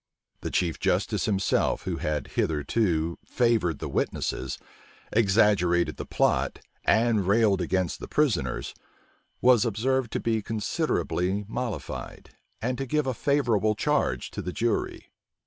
The chief justice himself, who had hitherto favored the witnesses, exaggerated the plot, and railed against the prisoners, was observed to be considerably mollified, and to give a favorable charge to the jury.